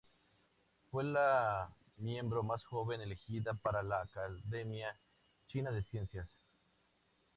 Fue la miembro más joven elegida para la Academia China de Ciencias.